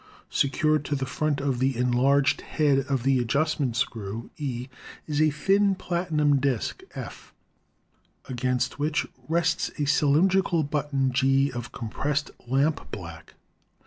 Secured to the front of the enlarged head, e, of the adjustment screw, E is a thin platinum disk, F, against which rests a cylin drical button, G, of compressed lampblack.